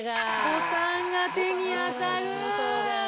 ボタンが手に当たる。